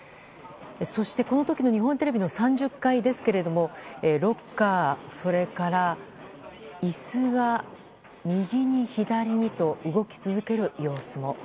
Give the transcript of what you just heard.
そして、この時の日本テレビの３０階ですけれどもロッカー、それから椅子が右に左にと動き続ける様子も。